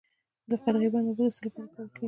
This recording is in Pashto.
د قرغې بند اوبه د څه لپاره کارول کیږي؟